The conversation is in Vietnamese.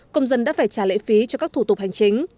công dân đã phải trả lệ phí cho các thủ tục hành chính